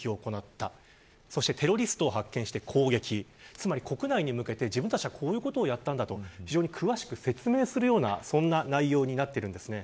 つまり、国内に向けて自分たちはこういうことをやったなど非常に詳しく説明するような内容になっています。